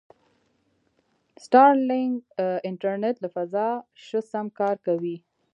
سټارلینک انټرنېټ له فضا شه سم کار کوي.